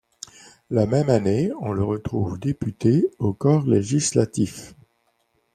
La même année on le retrouve député au corps législatif.